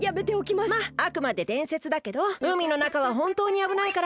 まっあくまででんせつだけどうみのなかはほんとうにあぶないから。